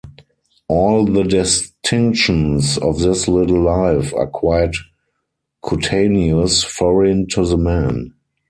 All the distinctions of this little life are quite cutaneous, foreign to the man.